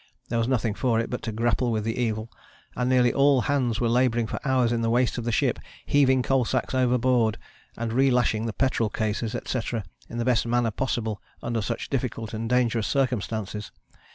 There was nothing for it but to grapple with the evil, and nearly all hands were labouring for hours in the waist of the ship, heaving coal sacks overboard and re lashing the petrol cases, etc., in the best manner possible under such difficult and dangerous circumstances.